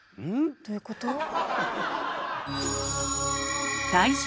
どういうこと？